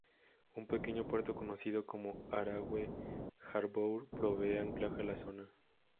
Un pequeño puerto conocido como "Arawe Harbour" provee anclaje a la zona.